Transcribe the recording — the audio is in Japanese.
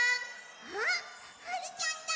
あはるちゃんだ！